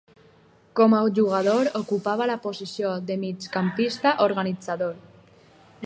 Com a jugador, ocupava la posició de migcampista organitzador.